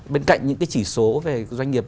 bên cạnh những cái chỉ số về doanh nghiệp